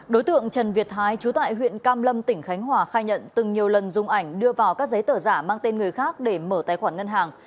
đối tượng trần việt thái chú tại huyện cam lâm tỉnh khánh hòa khai nhận từng nhiều lần dùng ảnh đưa vào các giấy tờ giả mang tên người khác để mở tài khoản ngân hàng